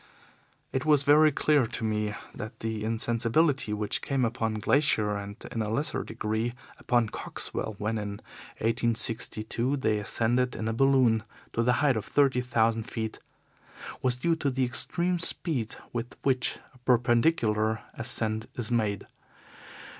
"It is very clear to me that the insensibility which came upon Glaisher, and in a lesser degree upon Coxwell, when, in 1862, they ascended in a balloon to the height of thirty thousand feet, was due to the extreme speed with which a perpendicular ascent is made.